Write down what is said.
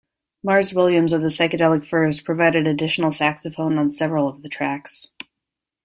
Mars Williams of the Psychedelic Furs provided additional saxophone on several tracks.